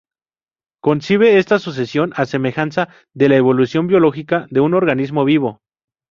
Concibe esta sucesión a semejanza de la evolución biológica de un organismo vivo.